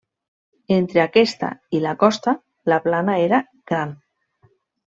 Entre aquesta i la costa la plana era gran.